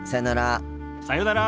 さようなら。